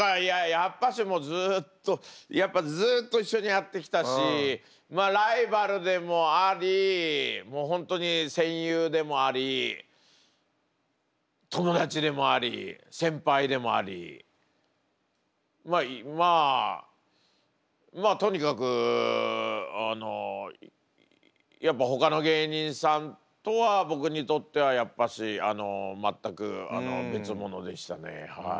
やっぱしずっとやっぱずっと一緒にやってきたしライバルでもありもう本当に戦友でもあり友達でもあり先輩でもありまあまあとにかくあのやっぱほかの芸人さんとは僕にとってはやっぱし全く別物でしたねはい。